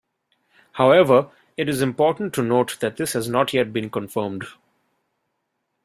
However, it is important to note that this has not yet been confirmed.